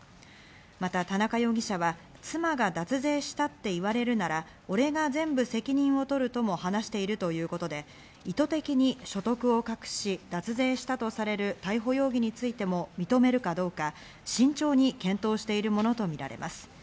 また田中容疑者は、妻が脱税したって言われるなら俺が全部責任を取るとも話しているということで、意図的に所得を隠し脱税したとされる逮捕容疑についても認めるかどうか慎重に検討しているものとみられます。